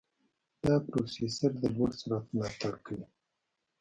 دا پروسېسر د لوړ سرعت ملاتړ کوي.